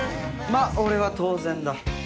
まあ俺は当然だ。